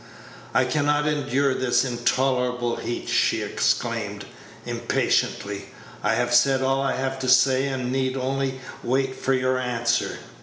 "I can not endure this intolerable heat," she exclaimed, impatiently; "I have said all I have to say, and need only wait for your answer."